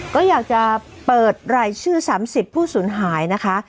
ก็อยากจะเปิดไล่ชื่อ๓๐ภูมิศูนย์หายนะคะ